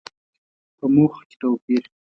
په موخو کې توپير.